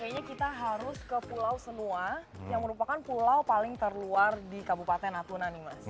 kayaknya kita harus ke pulau semua yang merupakan pulau paling terluar di kabupaten natuna nih mas